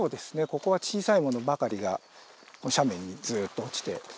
ここは小さいものばかりが斜面にずっと落ちております。